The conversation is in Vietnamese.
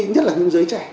nhất là những giới trẻ